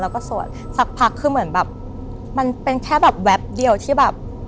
แล้วก็สวดสักพักคือเหมือนแบบมันเป็นแค่แบบแวบเดียวที่แบบ